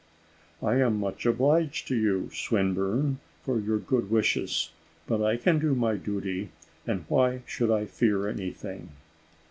"I am much obliged to you, Swinburne, for your good wishes; but I can do my duty, and why should I fear anything?"